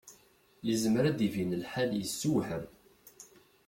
Yezmer ad d-ibin lḥal yessewham.